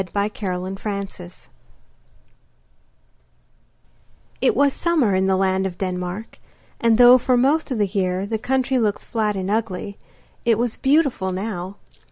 ] The Ugly Duckling It was summer in the land of Denmark, and though for most of the year the country looks flat and ugly, it was beautiful now.